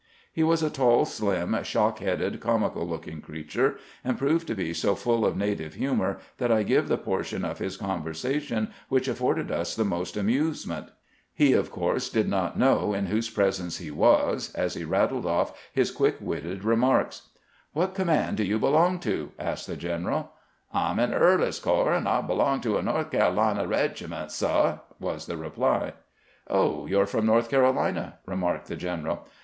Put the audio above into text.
He was a tall, slim, shock headed, comical looking creature, and proved to be so full of native humor that I give the portion of his conversation which afforded us the most amusement. He, of course, did not know in whose presence he was as he rattled off his quick witted re marks. '' Wbat command do you belong to ?" asked the general. " I 'm in Early's corps, and I belong to a No'th. Ca'lina reegiment, suh," was the reply. "Oh, you 're from North Carolina," remarked the general.